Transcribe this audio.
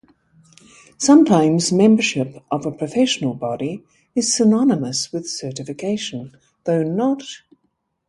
Sometimes membership of a professional body is synonymous with certification, though not always.